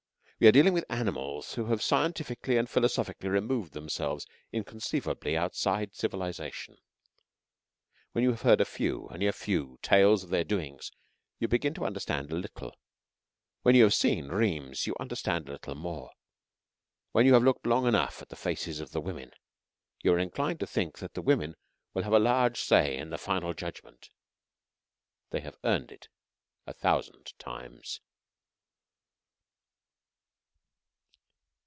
We are dealing with animals who have scientifically and philosophically removed themselves inconceivably outside civilization. When you have heard a few only a few tales of their doings, you begin to understand a little. When you have seen Rheims, you understand a little more. When you have looked long enough at the faces of the women, you are inclined to think that the women will have a large say in the final judgment. They have earned it a thousand times.